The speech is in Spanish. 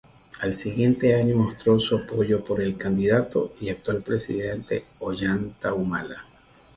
Al siguiente año mostró su apoyo por el candidato y actual presidente Ollanta Humala.